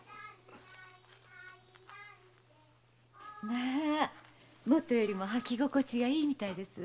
まあ元よりも履き心地がいいみたいですわ。